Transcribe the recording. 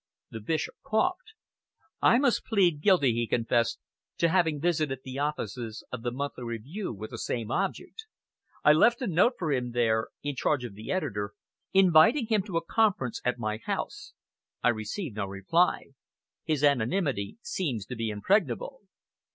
The Bishop coughed. "I must plead guilty," he confessed, "to having visited the offices of The Monthly Review with the same object. I left a note for him there, in charge of the editor, inviting him to a conference at my house. I received no reply. His anonymity seems to be impregnable."